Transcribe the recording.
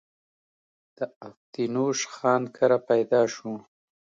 د افتينوش خان کره پيدا شو